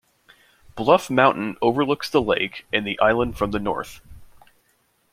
Bluff Mountain overlooks the lake and the island from the north.